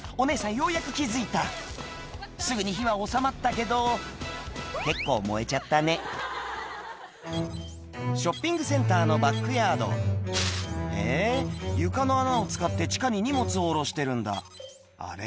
ようやく気付いたすぐに火は収まったけど結構燃えちゃったねショッピングセンターのバックヤードへぇ床の穴を使って地下に荷物を下ろしてるんだあれ？